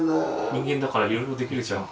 人間だからいろいろできるじゃん。